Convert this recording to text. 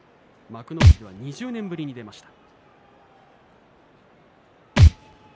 幕内では２０年ぶりに出ました。